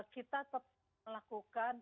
kita tetap melakukan tiga m